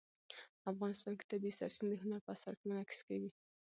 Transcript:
افغانستان کې د اوبو سرچینې د هنر په اثار کې منعکس کېږي.